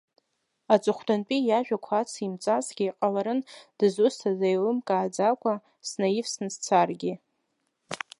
Аҵыхәтәантәи иажәақәа ацимҵазҭгьы, иҟаларын, дызусҭаз еилымкааӡакәа, снаивсны сцаргьы.